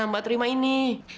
mbak terima ini